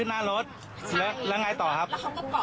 เสร็จแล้วเขาก็เอาหินมาทุบรถ